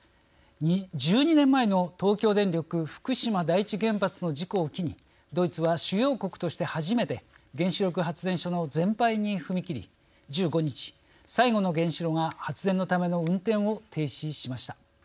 １２年前の東京電力福島第一原発の事故を機にドイツは主要国として初めて原子力発電所の全廃に踏み切り１５日最後の原子炉が発電のための運転を停止しました。